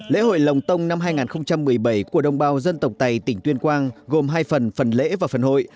lễ hội lồng tông năm hai nghìn một mươi bảy của đồng bào dân tộc tây tỉnh tuyên quang gồm hai phần phần lễ và phần hội